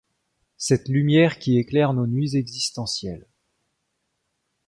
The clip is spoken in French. Cette lumière qui éclaire nos nuits existentielles.